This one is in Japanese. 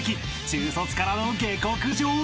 ［中卒からの下克上］